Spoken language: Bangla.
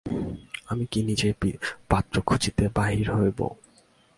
আমি কি নিজে পাত্র খুঁজিতে বাহির হইব।